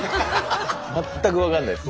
全く分かんないです。